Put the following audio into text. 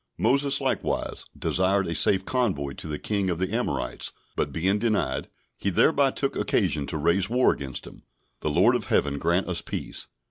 Moses likewise desired a safe convoy to the King of the Amorites; but being denied, he thereby took occasion to raise war against him. The Lord of Heaven grant us peace.